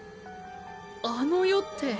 あの世って？